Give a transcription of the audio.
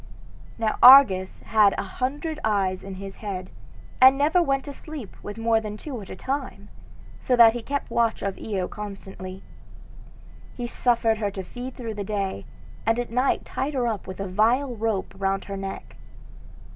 Now Argus had a hundred eyes in his head, and never went to sleep with more than two at a time, so that he kept watch of Io constantly. He suffered her to feed through the day, and at night tied her up with a vile rope round her neck.